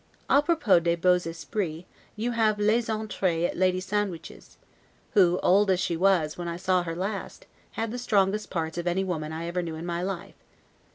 'A propos des beaux esprits', you have 'les entries' at Lady Sandwich's; who, old as she was, when I saw her last, had the strongest parts of any woman I ever knew in my life?